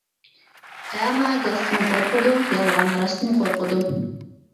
ئەما گاستىن قورقىدۇ، يالغان راستتىن قورقىدۇ.